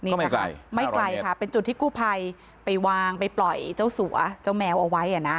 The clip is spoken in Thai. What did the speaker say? นี่ไม่ไกลไม่ไกลค่ะเป็นจุดที่กู้ภัยไปวางไปปล่อยเจ้าสัวเจ้าแมวเอาไว้อ่ะนะ